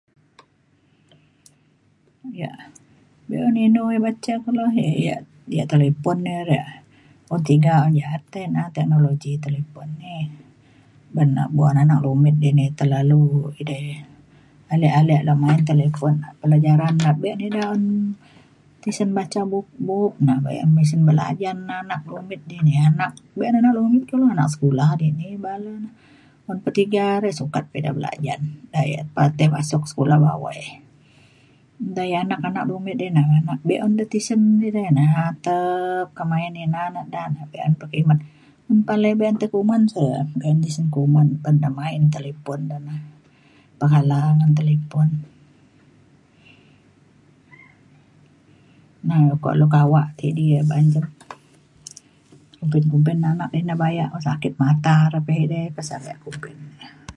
yak be’un inu ya baca kulo. yak yak talipon na re un tiga yak ja’at te na teknologi talipon ni ban na buk anak dumit dini terlalu edei ale ale le main talipon. pelajaran da be ida un tisen baca buk- bup bup na. bayak tisen belajan na anak anak dumit di anak be’un anak dumit kulu anak sekula dini ba’an lu na. un pa tiga re sukat pa ida belajan da yak pa tai masuk sekula bawai ntai anak anak dumit di na memang be’un da tisen edei na atek kak main ina da be’un pekimet. un palai tai kuman [unintelligible] be’un tisen ba ya kuman ban da main talipon da na pengala ngan talipon. na lu ukok kawak tidi ya ba’an je. kumbin kumbin anak ida bayak un sakit mata re pe edei [unintelligible] kumbin ni ya